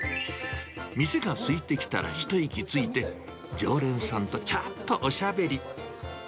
店がすいてきたら一息ついて、常連さんとちょっとおしゃべり。